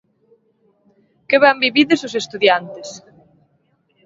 _Que ben vivides os estudiantes.